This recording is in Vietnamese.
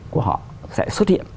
của họ sẽ xuất hiện